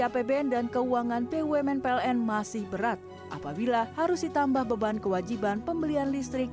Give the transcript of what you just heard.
apbn dan keuangan bumn pln masih berat apabila harus ditambah beban kewajiban pembelian listrik